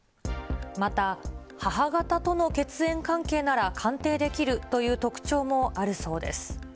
また、母方との血縁関係なら鑑定できるという特徴もあるそうです。